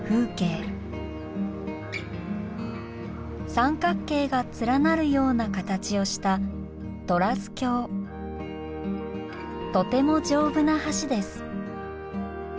三角形が連なるような形をしたとてもじょうぶな橋です。